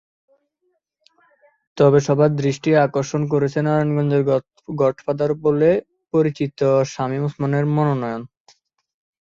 তবে সবার দৃষ্টি আকর্ষণ করেছে নারায়ণগঞ্জের গডফাদার বলে পরিচিত শামীম ওসমানের মনোনয়ন।